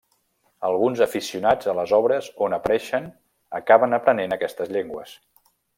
Alguns aficionats a les obres on apareixen acaben aprenent aquestes llengües.